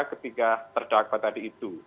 ketiga terdakwa tadi itu